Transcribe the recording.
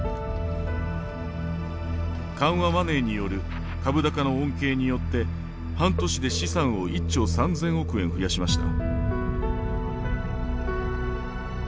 緩和マネーによる株高の恩恵によって半年で資産を１兆３，０００億円増やしました。